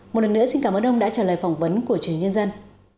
một lần nữa xin cảm ơn ông đã trả lời phỏng vấn của chủ nhật nhân dân